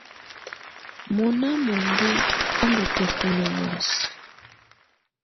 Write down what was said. Mɔna muǝndù á ndɔ́ tǝ́kunǝ́ muɛsɛ.